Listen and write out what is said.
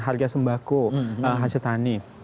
harga sembako hasil tani